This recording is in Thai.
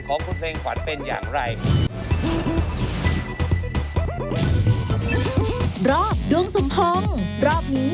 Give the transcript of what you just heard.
ของคุณเพลงขวัญเป็นอย่างไร